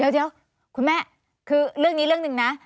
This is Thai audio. เดี๋ยวคุณแม่คือเรื่องนี้เรื่องหนึ่งนะ